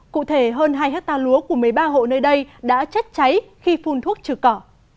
cụ thể hơn hai hectare lúa của một mươi ba hộ nơi đây đã chết cháy khi phun thuốc trừ cỏ